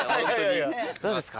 どうですか？